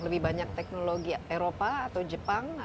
lebih banyak teknologi eropa atau jepang